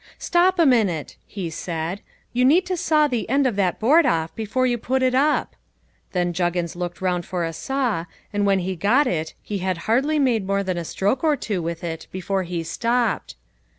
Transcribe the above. "Stop a minute," he said, "you need to saw the end of that board off before you put it up." Then Juggins looked round for a saw, and when he got it he had hardly made more than a stroke or two with it before he stopped.